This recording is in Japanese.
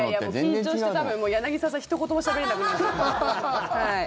緊張して、多分柳澤さんひと言もしゃべれなくなる。